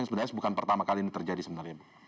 sebenarnya bukan pertama kali ini terjadi sebenarnya bu